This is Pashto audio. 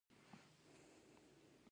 ایا ستاسو مینه وال ډیر نه دي؟